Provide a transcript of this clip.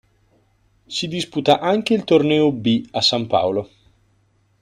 Si disputa anche il torneo "B" a San Paolo.